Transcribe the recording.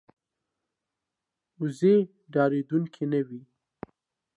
وزې ډارېدونکې نه وي